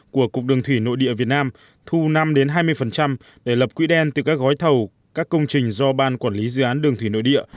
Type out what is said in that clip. của cục đường thủy nội địa việt nam thu năm hai mươi để lập quỹ đen từ các gói thầu các công trình do ban quản lý dự án đường thủy nội địa